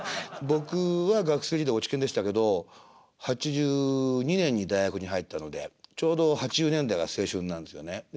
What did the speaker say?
僕は学生時代落研でしたけど８２年に大学に入ったのでちょうど８０年代が青春なんですよね。